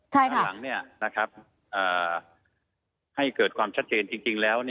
ใช่ค่ะด้านหลังนี่นะครับให้เกิดความชัดเจนจริงแล้ว